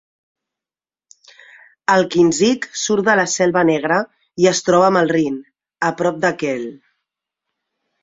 El Kinzig surt de la Selva Negra i es troba amb el Rin, a prop de Kehl.